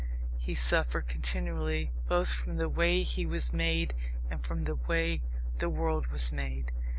He suffered continually both from the way he was made and from the way the world was made.